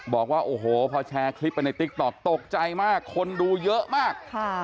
บอกว่าโอ้โหพอแชร์คลิปไปในติ๊กต๊อกตกใจมากคนดูเยอะมาก